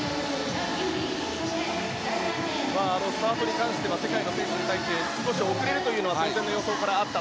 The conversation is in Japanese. スタートに関しては世界の選手に対して少し遅れるというのは前の予想からあった。